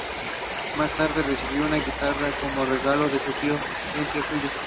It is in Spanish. Más tarde recibió una guitarra como regalo de un tío suyo.